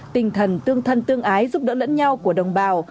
tinh thần tương thân tương ái giúp đỡ lẫn nhau của đồng bào